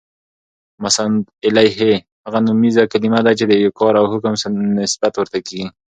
مسندالیه: هغه نومیزه کلیمه ده، چي د یو کار او حکم نسبت ورته کیږي.